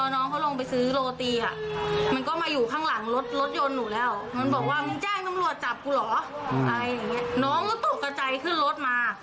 น้องมุตุเป็ะใจขึ้นรถมา